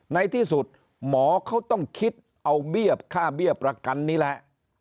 ในที่สุดหมอเขาต้องคิดเอาเบี้ยค่าเบี้ยประกันนี่แหละ